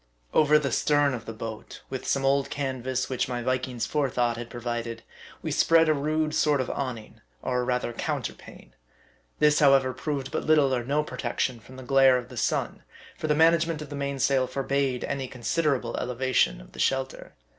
Over the stern of the boat, with some old canvas which my Viking's forethought had provided, we spread a rude sort of awning, or rather counterpane. This, however, proved but little or no protection from the glare of the sun ; for the management of the main sail forbade any considerable eleva tion of the shelter.